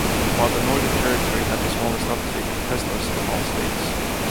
While the Northern Territory had the smallest uptake of Teslas of all the states.